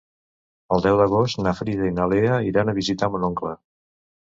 El deu d'agost na Frida i na Lea iran a visitar mon oncle.